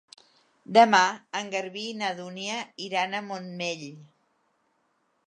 Demà en Garbí i na Dúnia iran al Montmell.